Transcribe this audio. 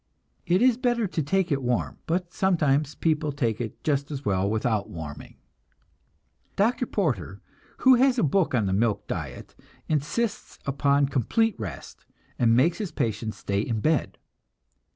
It is better to take it warm, but sometimes people take it just as well without warming. Dr. Porter, who has a book on the milk diet, insists upon complete rest, and makes his patients stay in bed.